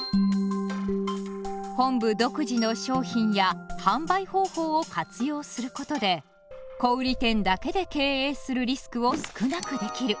本部独自の商品や販売方法を活用することで小売店だけで経営するリスクを少なくできる。